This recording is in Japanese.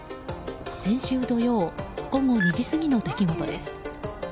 先週土曜午後２時過ぎの出来事です。